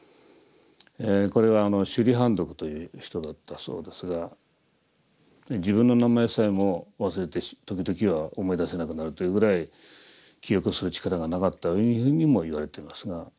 これは周梨槃特という人だったそうですが自分の名前さえも忘れて時々は思い出せなくなるというぐらい記憶する力がなかったというふうにも言われてますが。